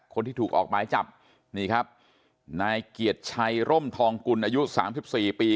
คนที่ถูกออกมาให้จับนี่ครับนายเกียรติชัยร่มทองกุลอายุ๓๔ปี